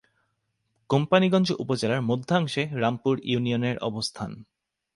কোম্পানীগঞ্জ উপজেলার মধ্যাংশে রামপুর ইউনিয়নের অবস্থান।